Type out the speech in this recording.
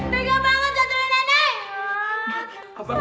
tiga banget jatuhin nenek